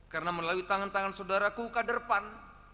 karena melalui tangan tangan saudaraku ke depan